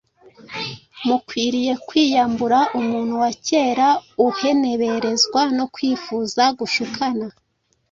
Mukwiriye kwiyambura umuntu wa kera uheneberezwa no kwifuza gushukana.